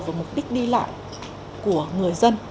và mục đích đi lại của người dân